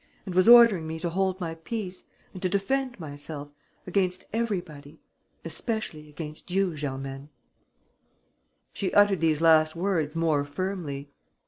and was ordering me to hold my peace ... and to defend myself ... against everybody ... especially against you, Germaine." She uttered these last words more firmly.